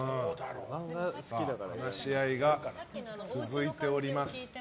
話し合いが続いております。